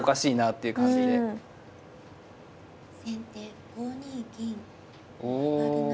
先手５二銀上不成。